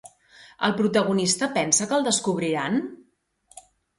El protagonista pensa que el descobriran?